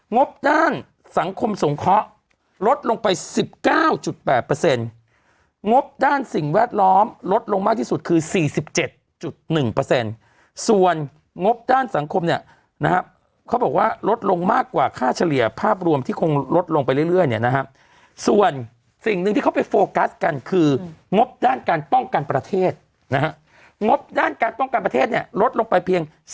งบด้านสังคมสงเคราะห์ลดลงไป๑๙๘งบด้านสิ่งแวดล้อมลดลงมากที่สุดคือ๔๗๑ส่วนงบด้านสังคมเนี่ยนะครับเขาบอกว่าลดลงมากกว่าค่าเฉลี่ยภาพรวมที่คงลดลงไปเรื่อยเนี่ยนะฮะส่วนสิ่งหนึ่งที่เขาไปโฟกัสกันคืองบด้านการป้องกันประเทศนะฮะงบด้านการป้องกันประเทศเนี่ยลดลงไปเพียง